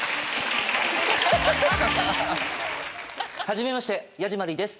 はじめましてヤジマリー。です。